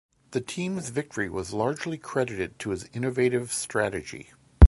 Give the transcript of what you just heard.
The team's victory was largely credited to his innovative strategy.